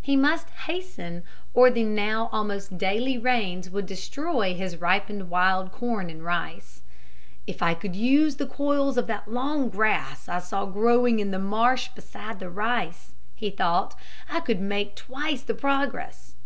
He must hasten, or the now almost daily rains would destroy his ripened wild corn and rice. "If I could use coils of that long grass I saw growing in the marsh beside the rice," he thought, "I could make twice the progress."